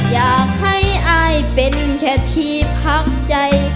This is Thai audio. อยากให้อายเป็นแค่ที่พักใจ